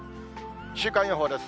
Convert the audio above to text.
週間予報です。